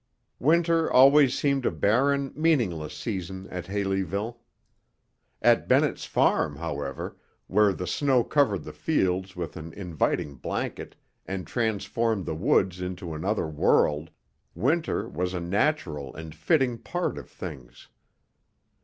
Winter always seemed a barren, meaningless season in Haleyville. At Bennett's Farm, however, where the snow covered the fields with an inviting blanket and transformed the woods into another world, winter was a natural and fitting part of things.